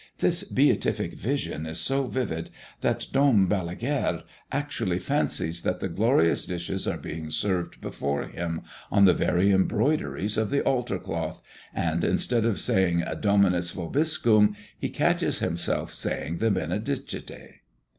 This beatific vision is so vivid that Dom Balaguère actually fancies that the glorious dishes are being served before him, on the very embroideries of the altar cloth, and instead of saying Dominus vobiscum, he catches himself saying the Benedicite.